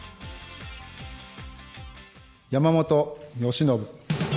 山本由伸。